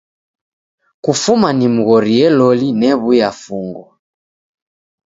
Kufuma nimghorie loli new'uya fungo.